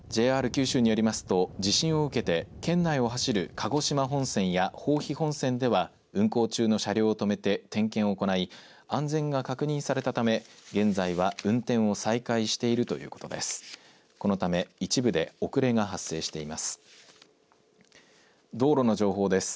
ＪＲ九州によりますと、地震を受けて県内を走る鹿児島本線や豊肥本線では、運行中の車両を止めて点検を行い、安全が確認されたため、現在は運転を再開しているということです。